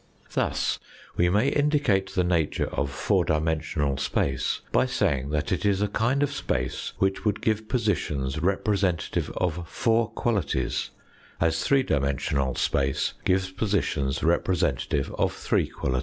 Thus we may indicate the nature of four dimensional space by saying that it is a kind of space which would give positions representative of four qualities, as three dimensional space gives positions representative of three qualities.